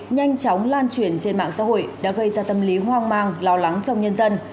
nhanh chóng lan truyền trên mạng xã hội đã gây ra tâm lý hoang mang lo lắng trong nhân dân